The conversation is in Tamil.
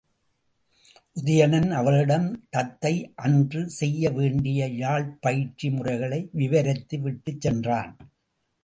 உதயணன் அவளிடம் தத்தை அன்று செய்ய வேண்டிய யாழ்ப் பயிற்சி முறைகளை விவரித்து விட்டுச் சென்றான்.